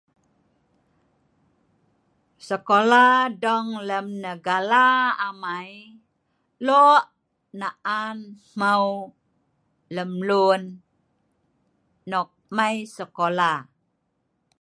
Sekolah nok lem negala amai, lok naan hmeu lemlun nok mai sekolah.